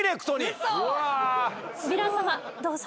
ヴィラン様どうぞ。